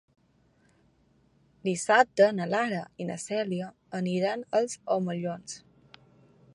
Dissabte na Lara i na Cèlia aniran als Omellons.